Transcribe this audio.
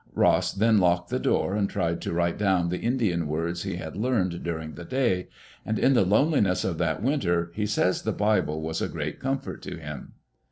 Ross then locked the door and tried to write down the Indian words he had learned during the day. And in the loneliness of that winter, he says the Bible was a great comfort to him.